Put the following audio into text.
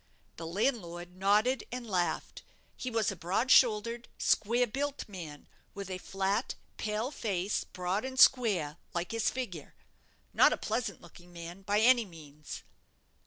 The landlord nodded and laughed. He was a broad shouldered, square built man, with a flat, pale face, broad and square, like his figure not a pleasant looking man by any means.